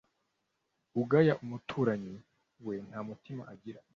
ugaya umuturanyi we nta mutima agira